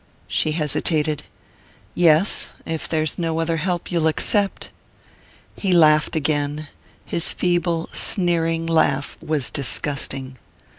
She hesitated. "Yes if there's no other help you'll accept." He laughed again his feeble sneering laugh was disgusting.